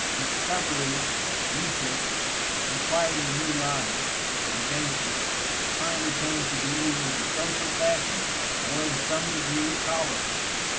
Discovery, research, inquiry in new lines, inventions, finally came to be either the social fashion, or in some degree tolerable.